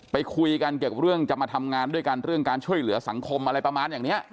ไปคุยกันเกี่ยวกับเรื่องจะมาทำงานด้วยกันเรื่องการช่วยเหลือสังคมอะไรประมาณอย่างนี้